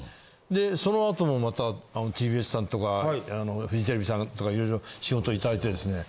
でそのあともまたＴＢＳさんとかフジテレビさんとかいろいろ仕事いただいてですね。